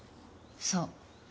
そう。